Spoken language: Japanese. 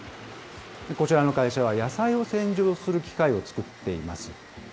こちらの会社は野菜を洗浄する機械を作っています。